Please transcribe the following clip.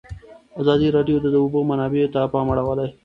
ازادي راډیو د د اوبو منابع ته پام اړولی.